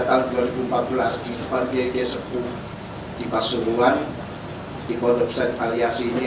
bahkan beliau sempat pada tahun dua ribu empat belas di depan gk sepuluh di pasunguan di pondoksen aliasi ini